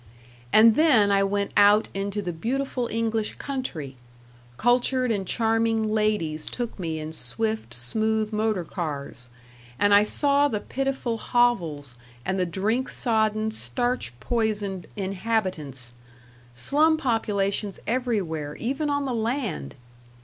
And then I went out into the beautiful English country; cultured and charming ladies took me in swift, smooth motor cars, and I saw the pitiful hovels and the drink sodden, starch poisoned inhabitants slum populations everywhere, even on the land!